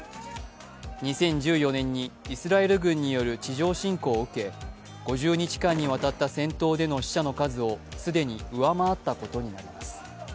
２０１４年にイスラエル軍による地上侵攻を受け５０日間にわたった戦闘での死者の数を既に上回ったことになります。